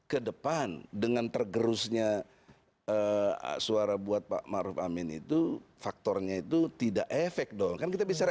ke depan dengan tergerus nya lutera buat pak maruf amin itu faktornya itu tidak efek nadangntabiser